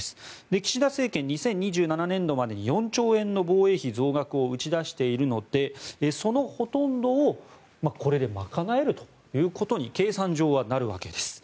岸田政権、２０２７年度までに４兆円の防衛費増額を打ち出しているのでそのほとんどをこれで賄えるということに計算上はなるわけです。